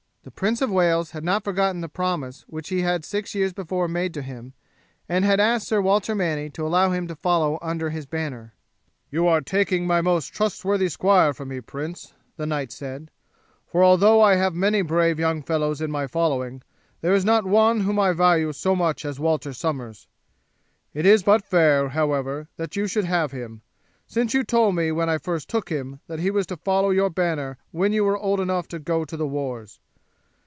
The Prince of Wales had not forgotten the promise which he had six years before made to him, and had asked Sir Walter Manny to allow him to follow under his banner. "You are taking my most trusty squire from me, Prince," the knight said; "for although I have many brave young fellows in my following, there is not one whom I value so much as Walter Somers. It is but fair, however, that you should have him, since you told me when I first took him that he was to follow your banner when you were old enough to go to the wars.